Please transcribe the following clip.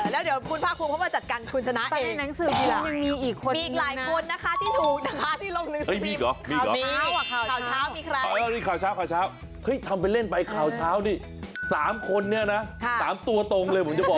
แล้วเดี๋ยวคุณพ่ากภูมิเข้ามาจัดการคุณชนะเองมีอีกหลายคนนะคะที่ถูกนะคะที่ลงหนึ่งสริป